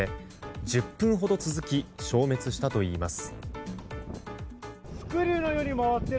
１０分ほど続き消滅したといいます。